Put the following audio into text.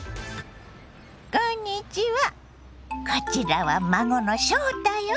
こんにちはこちらは孫の翔太よ。